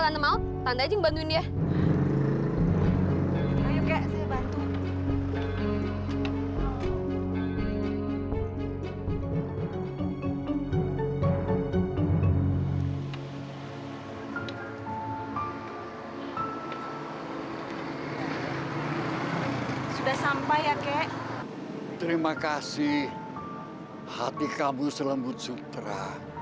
sampai jumpa di video selanjutnya